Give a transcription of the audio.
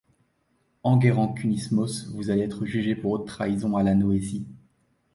Enguerrand Kunismos, vous allez être jugé pour haute trahison à la noétie.